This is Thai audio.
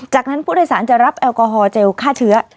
จากนั้นผู้โดยสารจะรับแอลกอฮอลเจลฆ่าเชื้อ